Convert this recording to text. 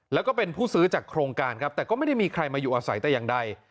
แล้วก็เป็นผู้ซื้อจากโครงการครับแต่ก็ไม่ได้มีใครมาอยู่อาศัยแต่อย่างใด